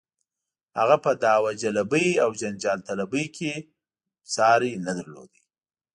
هغه په دعوه جلبۍ او جنجال طلبۍ کې یې ساری نه درلود.